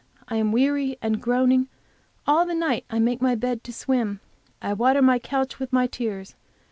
I am weary with groaning; all the night make I my bed to swim; I water my couch with my tears.